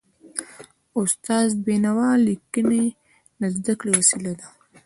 استاد د بينوا ليکني د زده کړي وسیله ده.